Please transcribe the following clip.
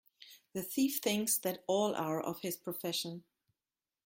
The thief thinks that all are of his profession.